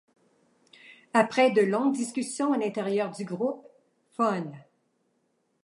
Après de longues discussions à l'intérieur du groupe, fun.